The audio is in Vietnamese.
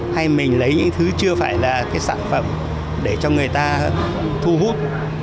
hay mình lấy những thứ chưa phải là cái sản phẩm để cho người ta thu hút